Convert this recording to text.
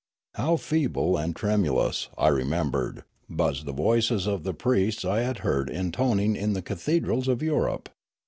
How feeble and tremu lous, I remembered, buzzed the voices of the priests I had heard intoning in the cathedrals of Europe!